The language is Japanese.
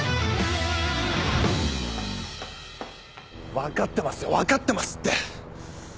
分かってますよ分かってますって！